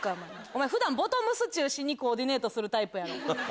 お前普段ボトムス中心にコーディネートするタイプやろ。